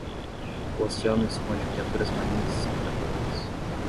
O oceano esconde criaturas marinhas espetaculares